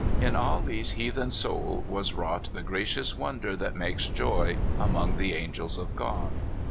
In Ah Lee's heathen soul was wrought the gracious wonder that makes joy among the angels of God.